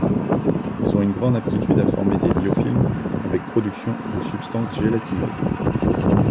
Ils ont une grande aptitude à former des biofilms avec production de substances gélatineuses.